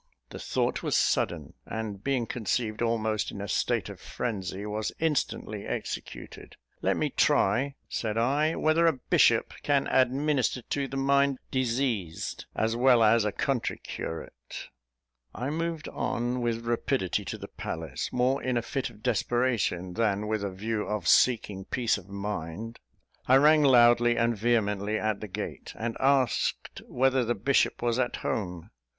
The thought was sudden, and, being conceived almost in a state of frenzy, was instantly executed. "Let me try," said I, "whether a bishop can 'administer to the mind diseased' as well as a country curate?" I moved on with rapidity to the palace, more in a fit of desperation than with a view of seeking peace of mind. I rang loudly and vehemently at the gate, and asked whether the bishop was at home.